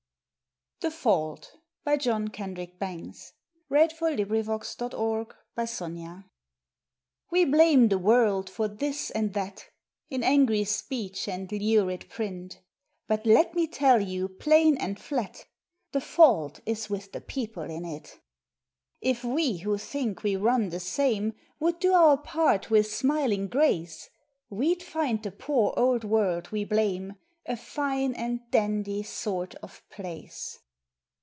urn one s hand To making things with no demand. August Tenth THE FAULT blame the world for this and that, In angry speech and lurid print, But let me tell you plain and flat The fault is with the people in t. If we who think we run the same Would do our part with smiling grace, We d find the poor old world we blame A fine and dandy sort of place.